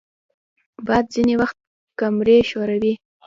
باد ځینې وخت کمرې ښوروي